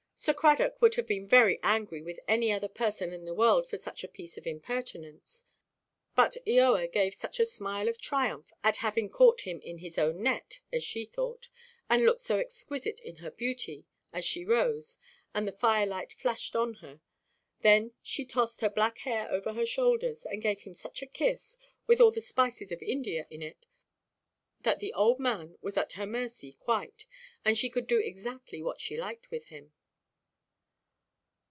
Sir Cradock would have been very angry with any other person in the world for such a piece of impertinence; but Eoa gave such a smile of triumph at having caught him in his own net (as she thought), and looked so exquisite in her beauty, as she rose, and the firelight flashed on her; then she tossed her black hair over her shoulders, and gave him such a kiss (with all the spices of India in it) that the old man was at her mercy quite, and she could do exactly what she liked with him.